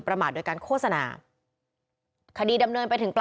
ปัวกผลคีย์เสียง